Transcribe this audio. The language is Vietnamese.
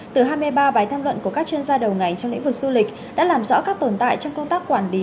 từ hai mươi ba bài tham luận của các chuyên gia đầu ngành trong lĩnh vực du lịch đã làm rõ các tồn tại trong công tác quản lý